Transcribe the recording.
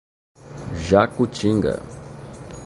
Jacutinga